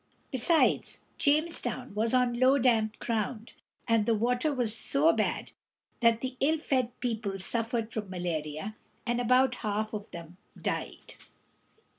Besides, Jamestown was on low, damp ground, and the water was so bad that the ill fed people suffered from malaria, and about half of them died.